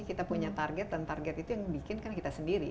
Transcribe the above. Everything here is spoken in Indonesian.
kita punya target dan target itu yang bikin kan kita sendiri